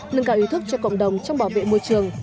nâng cao ý thức cho cộng đồng trong bảo vệ môi trường